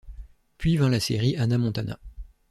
Puis vint la série Hannah Montana.